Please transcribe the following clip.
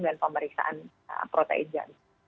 dan pemeriksaan proteisnya